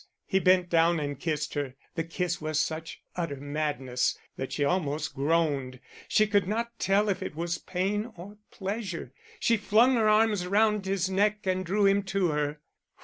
He bent down and kissed her. The kiss was such utter madness that she almost groaned. She could not tell if it was pain or pleasure. She flung her arms round his neck and drew him to her.